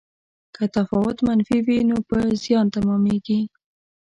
که تفاوت منفي وي نو په زیان تمامیږي.